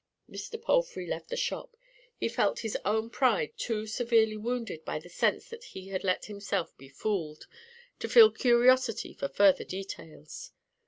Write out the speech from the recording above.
Mr. Palfrey left the shop; he felt his own pride too severely wounded by the sense that he had let himself be fooled, to feel curiosity for further details.